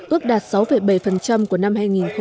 ước đạt sáu bảy của năm hai nghìn một mươi bảy